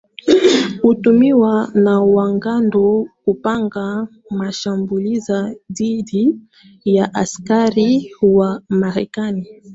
hutumiwa na wanamgambo kupanga mashambulizi dhidi ya askari wa marekani